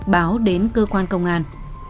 báo đến cơ quan công an